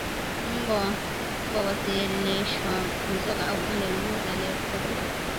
Mbwa wasilishwe mizoga au vipande vya mbuzi aliyekufa kwa ugonjwa huu